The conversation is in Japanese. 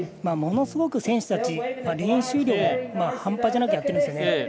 ものすごく選手たちは練習量が半端じゃなくやってるんですよね。